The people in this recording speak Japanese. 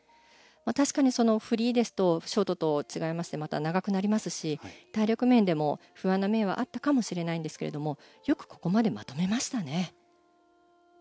確かにフリーですとショートと違いましてまた長くなりますし、体力面でも不安な面あったかもしれませんがよくまとめましたね。